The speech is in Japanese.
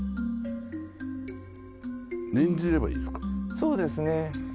そうですね。